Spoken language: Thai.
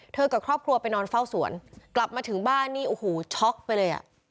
กับครอบครัวไปนอนเฝ้าสวนกลับมาถึงบ้านนี่โอ้โหช็อกไปเลยอ่ะ